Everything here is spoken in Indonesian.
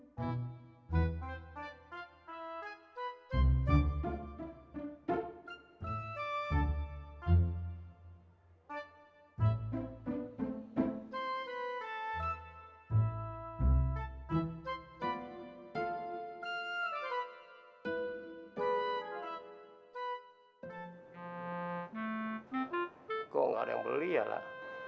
kok gak ada yang beli ya lah